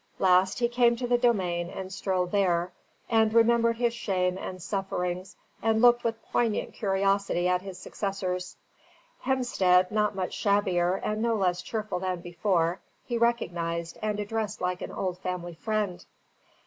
Last he came to the Domain and strolled there, and remembered his shame and sufferings, and looked with poignant curiosity at his successors. Hemstead, not much shabbier and no less cheerful than before, he recognised and addressed like an old family friend.